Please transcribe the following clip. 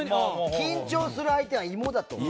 緊張する相手は芋だと思え。